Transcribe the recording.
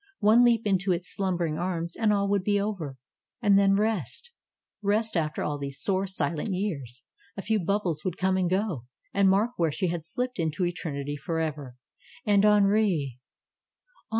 One leap into its slumbering arms, and all would be over. And then rest ! Rest after all these sore, silent years. A few hubbies would come and go and mark where she had slipped into Eternity forever ! And Henri